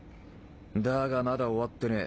世まだ終わってねえ。